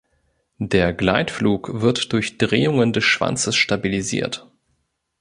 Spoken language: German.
Der Gleitflug wird durch Drehungen des Schwanzes stabilisiert.